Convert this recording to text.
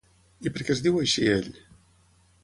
I per què es diu així, ell?